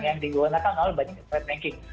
yang digunakan oleh banyin trade banking